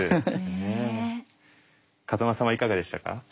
風間さんはいかがでしたか？